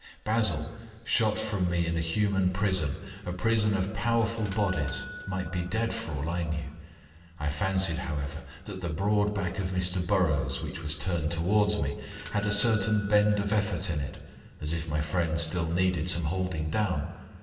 Basil, shut from me in a human prison, a prison of powerful bodies, might be dead for all I knew. I fancied, however, that the broad back of Mr Burrows, which was turned towards me, had a certain bend of effort in it as if my friend still needed some holding down.